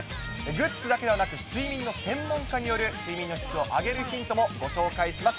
グッズだけではなく、睡眠の専門家による、睡眠の質を上げるヒントもご紹介します。